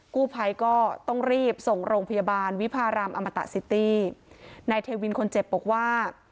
กู้ภัยก็ต้องรีบส่งโรงพยาบาลวิพารามอมตะซิตี้นายเทวินคนเจ็บบอกว่า